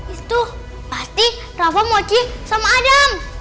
itu pasti rawon mochi sama adam